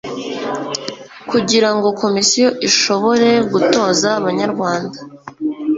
kugira ngo komisiyo ishobore gutoza banyarwanda